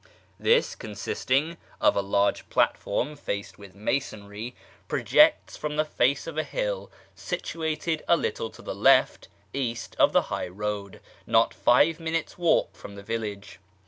This, consisting of a large platform faced with masonry, projects from the face of a hill situated a little to the left (east) of the high road, not five minutes' walk from the village.